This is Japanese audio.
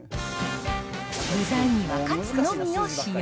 具材にはカツのみを使用。